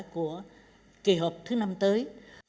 của kỳ họp thứ năm tới